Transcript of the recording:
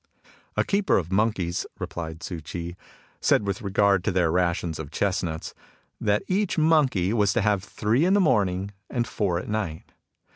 " A keeper of monkeys," replied Tzii Chi, " said with regard to their rations of chestnuts, that each monkey was to have three in the morning and four at night.